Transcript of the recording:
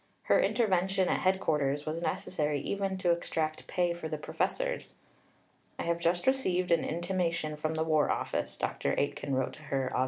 Her intervention at headquarters was necessary even to extract pay for the professors. "I have just received an intimation from the War Office," Dr. Aitken wrote to her (Aug.